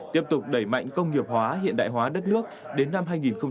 tiếp tục đẩy mạnh công nghiệp hóa hiện đại hóa đất nước đến năm hai nghìn hai mươi